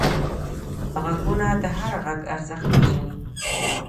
غوږونه د هر غږ ارزښت پېژني